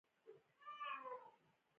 هیله د ژوند د دوام او خوځښت نوم دی.